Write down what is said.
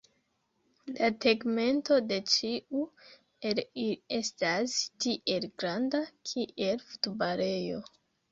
La tegmento de ĉiu el ili estas tiel granda kiel futbalejo.